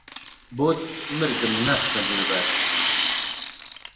بۆت مردم ناسکە دولبەر